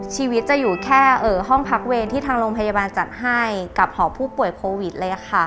ชีวิตจะอยู่แค่ห้องพักเวรที่ทางโรงพยาบาลจัดให้กับหอผู้ป่วยโควิดเลยค่ะ